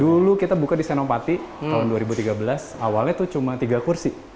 dulu kita buka di senopati tahun dua ribu tiga belas awalnya tuh cuma tiga kursi